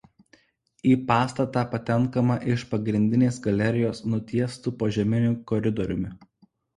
Į pastatą patenkama iš pagrindinės galerijos nutiestu požeminiu koridoriumi.